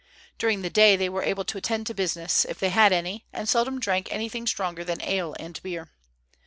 During the day they were able to attend to business, if they had any, and seldom drank anything stronger than ale and beer.